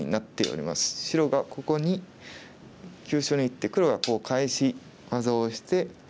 白がここに急所に打って黒が返し技をして。